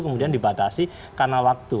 kemudian dibatasi karena waktu